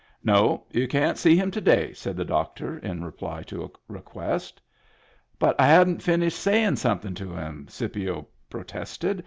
No, you can't see him to day," said the doctor, in reply to a request. " But I hadn't finished sayin' something to him," Scipio protested.